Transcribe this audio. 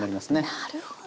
なるほど。